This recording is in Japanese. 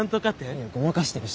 いやごまかしてるし。